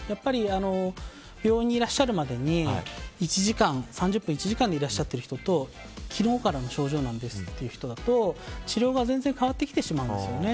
病院にいらっしゃるまでに３０分、１時間でいらっしゃってる人と昨日からの症状なんですっていう人と治療が全然変わってきてしまうんですね。